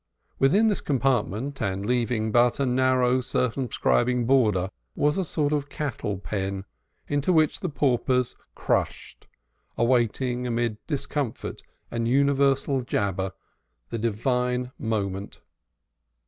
Within this compartment, and leaving but a narrow, circumscribing border, was a sort of cattle pen, into which the paupers crushed, awaiting amid discomfort and universal jabber the divine moment.